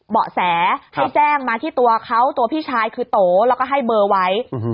เบาะแสให้แจ้งมาที่ตัวเขาตัวพี่ชายคือโตแล้วก็ให้เบอร์ไว้